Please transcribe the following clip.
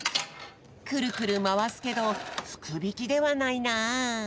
くるくるまわすけどふくびきではないな。